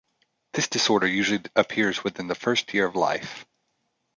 This disorder usually appears within the first year of life.